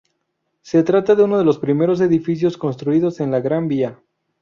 Se trata de uno de los primeros edificios construidos en la Gran Vía.